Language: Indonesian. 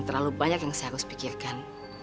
terlalu banyak yang saya harus pikirkan